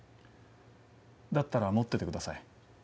だったら持っててください。